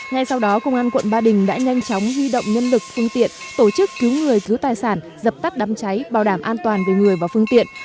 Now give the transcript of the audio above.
ngay sau đó công an quận ba đình đã nhanh chóng di động nhân lực phương tiện tổ chức cứu người cứu tài sản dập tắt đám cháy bảo đảm an toàn về người và phương tiện